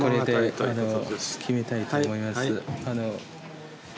これで決めたいと思います。